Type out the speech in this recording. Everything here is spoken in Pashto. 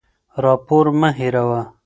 راپور مه هېروه.